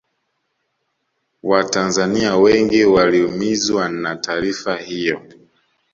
watanzania wengi waliumizwa na taarifa hiyo